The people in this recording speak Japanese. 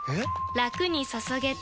ラクに注げてペコ！